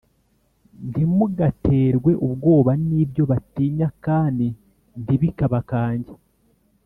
Ntimugaterwe ubwoba n’ibyo batinya, kandi ntibikabakange.